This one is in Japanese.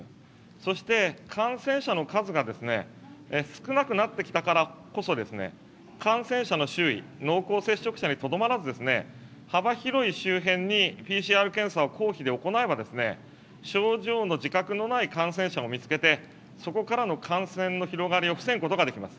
そして、感染者の数が少なくなってきたからこそ、感染者の周囲、濃厚接触者にとどまらず、幅広い周辺にＰＣＲ検査を公費で行えば、症状の自覚のない感染者も見つけて、そこからの感染の広がりを防ぐことができます。